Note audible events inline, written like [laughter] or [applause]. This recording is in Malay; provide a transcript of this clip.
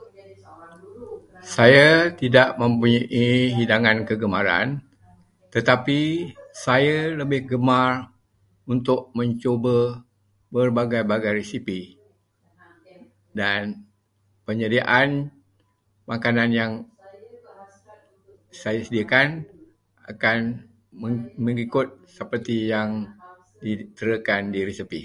[noise] Saya tidak mempunyai hidangan kegemaran, tetapi saya lebih gemar untuk mencuba berbagai-bagai resipi, dan penyediaan makanan yang saya sediakan akan mengikut seperti yang [unintelligible] di resipi.